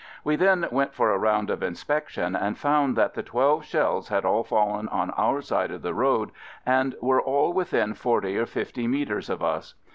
We then went for a round of inspection and found that the twelve shells had all fallen on our side of the road and were all within forty or fifty metres of us.